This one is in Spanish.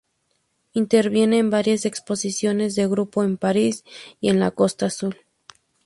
Interviene en varias exposiciones de grupo en París y en la Costa Azul.